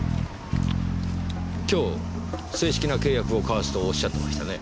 今日正式な契約を交わすとおっしゃってましたね？